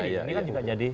ini kan juga jadi